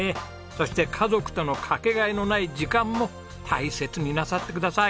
そして家族とのかけがえのない時間も大切になさってください。